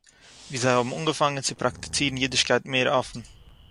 וואו זיי האָבן אָנגעפאַנגען צו פּראַקטיצירן אידישקייט מער אָפן